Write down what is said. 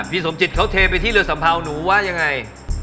สมจิตเขาเทไปที่เรือสัมเภาหนูว่ายังไง